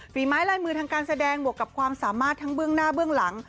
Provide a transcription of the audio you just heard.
ไม้ลายมือทางการแสดงบวกกับความสามารถทั้งเบื้องหน้าเบื้องหลัง